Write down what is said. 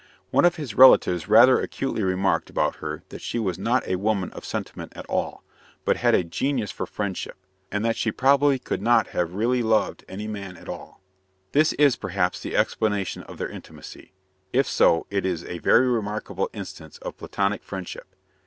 One of his relatives rather acutely remarked about her that she was not a woman of sentiment at all, but had a genius for friendship; and that she probably could not have really loved any man at all. This is, perhaps, the explanation of their intimacy. If so, it is a very remarkable instance of Platonic friendship.